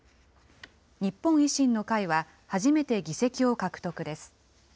日本維新の会は初めて議席を獲得です。